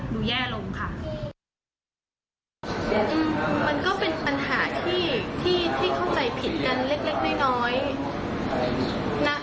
ดูแย่ลงค่ะมันก็เป็นปัญหาที่ที่เข้าใจผิดกันเล็กเล็กน้อยน้อย